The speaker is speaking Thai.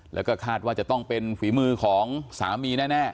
แล้วก็คาดว่าจะต้องเป็นฝีมือของสามีแน่